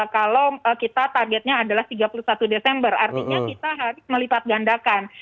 kalau kita targetnya adalah tiga puluh satu desember artinya kita harus melipat gandakan